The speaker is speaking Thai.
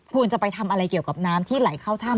ควรจะไปทำอะไรเกี่ยวกับน้ำที่ไหลเข้าถ้ำ